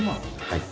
はい